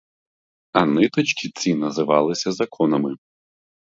А ниточки ці називалися законами.